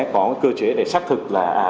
có cơ chế để xác thực là